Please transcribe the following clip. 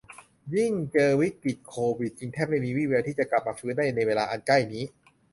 ยิ่งเจอวิกฤตโควิด จึงแทบไม่มีวี่แววที่จะกลับมาฟื้นได้ในเวลาอันใกล้นี้